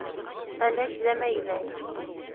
Alak d amagday.